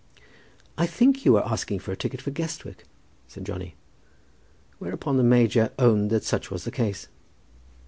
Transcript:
"I think you were asking for a ticket for Guestwick," said Johnny; whereupon the major owned that such was the case.